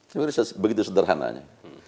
sebenarnya begitu sederhananya